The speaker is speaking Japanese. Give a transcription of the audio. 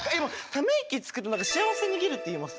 ため息つくと何か幸せ逃げるって言いません？